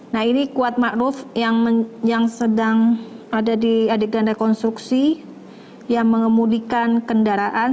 nah ini kuat ma'ruf yang sedang ada di adegan rekonstruksi yang mengemudikan kendaraan